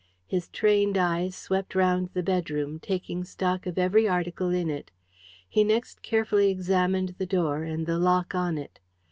His trained eyes swept round the bedroom, taking stock of every article in it. He next carefully examined the door, and the lock on it.